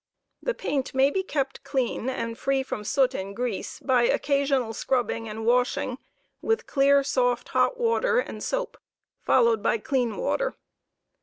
The paint may be kept clean and free from soot and grease by occasional scrubbing * and washing with clear, soft hot water and soap, followed by c^ean water.